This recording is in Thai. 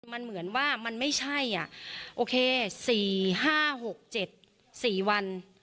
มันเหมือนว่ามันไม่ใช่อ่ะโอเคสี่ห้าหกเจ็ดสี่วัน